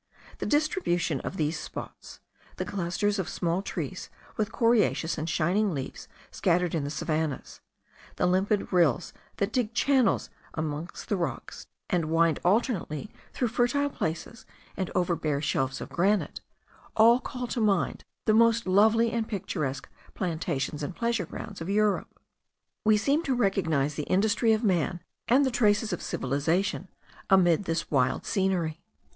The distribution of these spots, the clusters of small trees with coriaceous and shining leaves scattered in the savannahs, the limpid rills that dig channels across the rocks, and wind alternately through fertile places and over bare shelves of granite, all call to mind the most lovely and picturesque plantations and pleasure grounds of Europe. We seem to recognise the industry of man, and the traces of cultivation, amid this wild scenery.